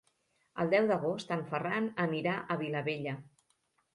El deu d'agost en Ferran anirà a Vilabella.